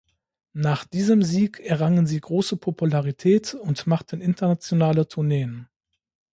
Nach diesem Sieg errangen sie große Popularität und machten internationale Tourneen.